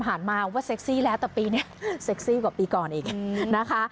ผ่านมาว่าเซ็กซี่แล้วแต่ปีนี้เซ็กซี่กว่าปีก่อนอีกนะคะ